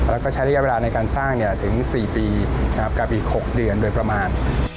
แล้วก็ใช้ระยะเวลาในการสร้างถึง๔ปีกับอีก๖เดือนโดยประมาณ